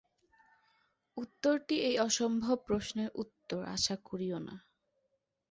উত্তরটি এই অসম্ভব প্রশ্নের উত্তর আশা করিও না।